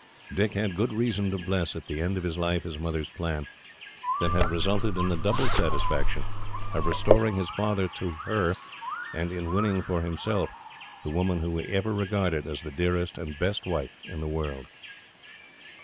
Dick had good reason to bless, to the end of his life, his mother's plan; that had resulted in the double satisfaction of restoring his father to her, and in winning for himself the woman whom he ever regarded as the dearest and best wife in the world.